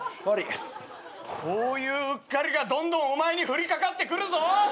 こういううっかりがどんどんお前に降りかかってくるぞ。